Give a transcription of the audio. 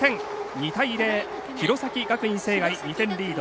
２対０、弘前学院聖愛２点リード。